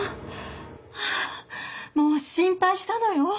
もう心配したのよ。